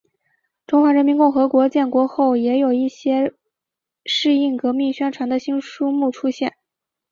中华人民共和国建国后也有一些适应革命宣传的新书目出现。